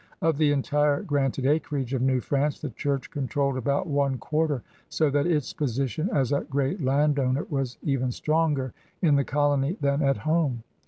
Of the entire granted acreage of New France the Church controlled about one quarter, so that its position as a great landowner was even stronger in the colony than at home.